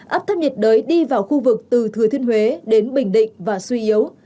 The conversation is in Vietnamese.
áp thấp nhiệt đới đi vào khu vực từ thừa thiên huế đến bình định và suy yếu